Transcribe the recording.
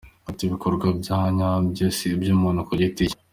Ati “Ibikorwa bya nyabyo si iby’umuntu ku giti cye.